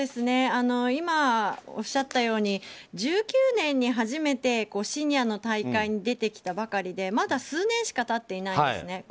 今、おっしゃったように２０１９年に初めてシニアの大会に出てきたばかりでまだ、数年しか経っていないんですね。